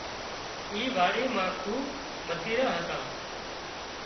اي واڙِي مان کوٻ متيران هتان